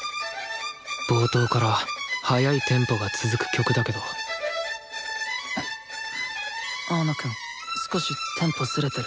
冒頭から速いテンポが続く曲だけど青野くん少しテンポズレてる。